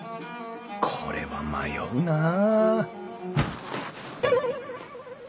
これは迷うなあ